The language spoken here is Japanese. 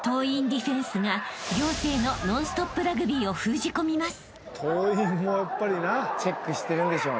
ディフェンスが仰星のノンストップラグビーを封じ込みます］